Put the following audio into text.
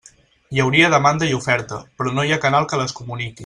Hi hauria demanda i oferta, però no hi ha canal que les comuniqui.